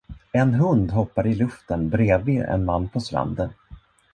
En hund hoppar i luften bredvid en man på stranden.